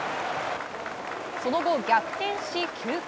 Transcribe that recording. その後逆転し９回。